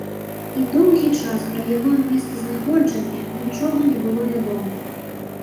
І доўгі час пра яго месцазнаходжанне нічога не было вядома.